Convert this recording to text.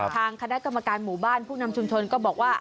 ทางคณะกรรมการหมู่บ้านผู้นำชุมชนก็บอกว่า